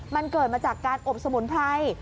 มันเกิดมาจากการอบสมุนไพร